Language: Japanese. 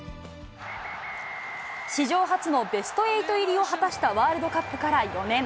史上初のベスト８入りを果たしたワールドカップから４年。